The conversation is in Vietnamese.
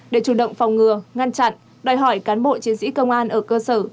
để chủ động phòng ngừa ngăn chặn đòi hỏi cán bộ chiến sĩ công an ở cơ sở